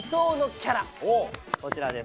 こちらです！